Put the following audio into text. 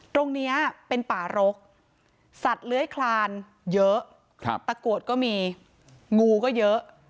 ตรงนี้เป็นป่ารกสัตว์เลื้อยคลานเยอะตะกรวดก็มีงูก็เยอะ